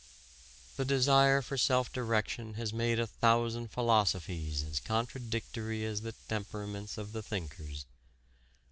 The desire for self direction has made a thousand philosophies as contradictory as the temperaments of the thinkers.